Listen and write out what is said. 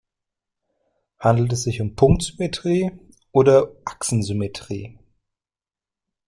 Handelt es sich um Punktsymmetrie oder Achsensymmetrie?